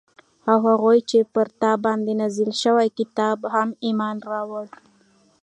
او هغو چې پر تا باندي نازل شوي كتاب هم ايمان راوړي